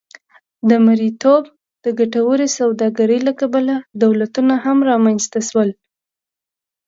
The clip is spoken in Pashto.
د مریتوب د ګټورې سوداګرۍ له کبله دولتونه هم رامنځته شول.